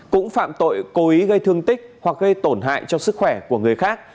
cũng phạm tội cố ý gây thương tích hoặc gây tổn hại cho sức khỏe của người khác